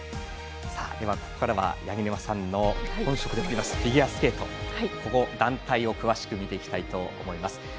では、ここからは八木沼さんの本職でもありますフィギュアスケート団体を詳しく見ていきたいと思います。